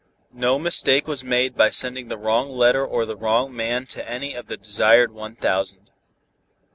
No mistake was made by sending the wrong letter or the wrong man to any of the desired one thousand.